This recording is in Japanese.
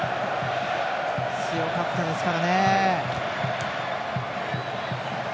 強かったですからね。